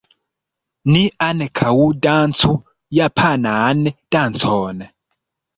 Ni ankaŭ dancu japanan dancon.